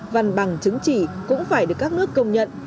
văn bằng chứng chỉ cũng phải được các nước công nhận